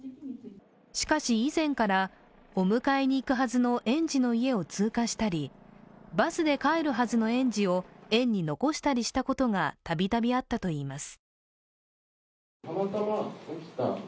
しかし以前からお迎えに行くはずの園児の家を通過したりバスで帰るはずの園児を園に残したりしたことが度々あったといいます。